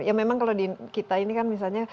ya memang kalau di kita ini kan misalnya